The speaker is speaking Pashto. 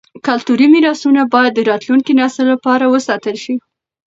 کلتوري میراثونه باید د راتلونکي نسل لپاره وساتل شي.